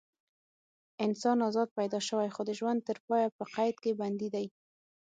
انسان ازاد پیدا شوی خو د ژوند تر پایه په قید کې بندي دی.